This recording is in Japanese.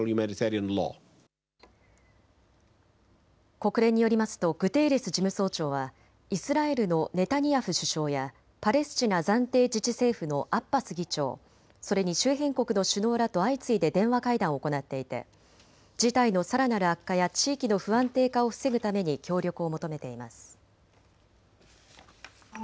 国連によりますとグテーレス事務総長はイスラエルのネタニヤフ首相やパレスチナ暫定自治政府のアッバス議長、それに周辺国の首脳らと相次いで電話会談を行っていて事態のさらなる悪化や地域の不安定化を防ぐために協力を求めています。